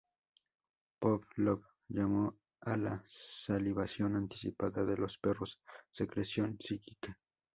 Pavlov llamó a la salivación anticipada de los perros "secreción psíquica".